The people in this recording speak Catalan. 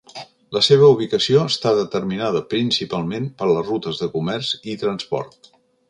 La seva ubicació està determinada principalment per les rutes de comerç i transport.